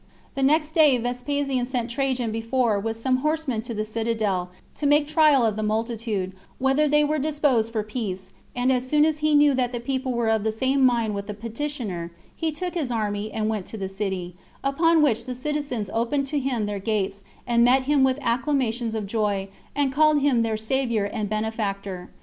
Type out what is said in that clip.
The next day Vespasian sent Trajan before with some horsemen to the citadel, to make trial of the multitude, whether they were all disposed for peace; and as soon as he knew that the people were of the same mind with the petitioner, he took his army, and went to the city; upon which the citizens opened to him their gates, and met him with acclamations of joy, and called him their savior and benefactor.